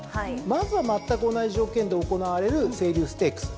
まずはまったく同じ条件で行われる青竜ステークス。